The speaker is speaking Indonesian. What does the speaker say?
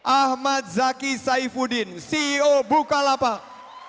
ahmad zaki saifuddin ceo bukalapak